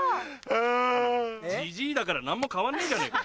ジジイだから何も変わんねえじゃねぇか。